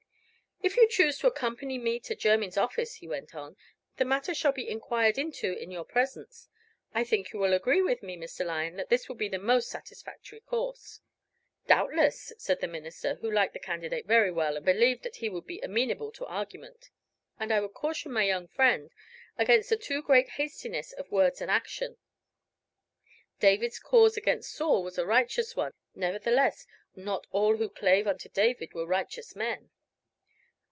"If you choose to accompany me to Jermyn's office," he went on, "the matter shall be enquired into in your presence. I think you will agree with me, Mr. Lyon, that this will be the most satisfactory course." "Doubtless," said the minister, who liked the candidate very well, and believed that he would be amenable to argument; "and I would caution my young friend against a too great hastiness of words and action. David's cause against Saul was a righteous one; nevertheless not all who clave unto David were righteous men."